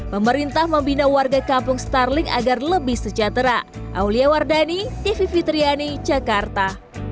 pemerintah membina warga kampung starling agar lebih sejahtera aulia wardani tv fitriani jakarta